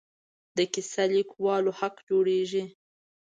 د کیسه لیکوالو حق جوړېږي.